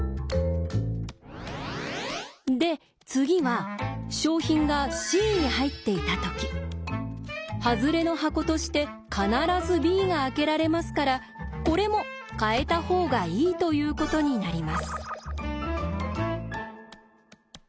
で次は賞品がＣに入っていたときハズレの箱として必ずＢが開けられますからこれも変えた方がいいということになります。